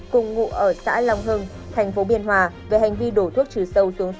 cùng ngụ ở xã long hưng thành phố biên hòa về hành vi đổ thuốc trừ sâu xuống